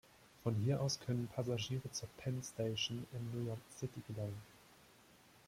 Von hier aus können Passagiere zur Penn Station in New York City gelangen.